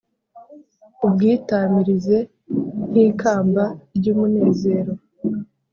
ubwitamirize nk’ikamba ry’umunezero